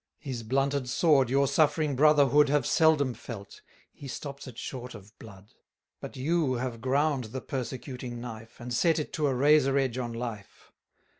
His blunted sword your suffering brotherhood Have seldom felt; he stops it short of blood: But you have ground the persecuting knife, And set it to a razor edge on life.